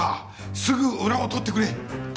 すぐ裏を取ってくれ。